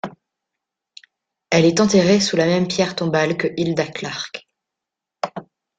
Elle est enterrée sous la même pierre tombale que Hilda Clark.